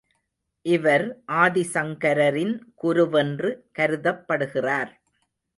இவர் ஆதிசங்கரரின் குருவென்று கருதப்படுகிறார்.